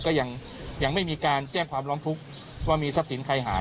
ก็ยังไม่มีการแจ้งความร้องทุกข์ว่ามีทรัพย์สินใครหาย